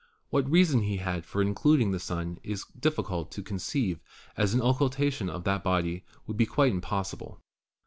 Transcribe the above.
What reason he had for including the Sun it is difficult to conceive, as an occultation by that body would be quite impossible.